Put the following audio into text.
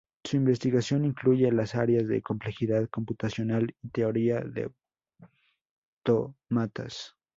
Su investigación incluye las áreas de complejidad computacional y teoría de autómatas.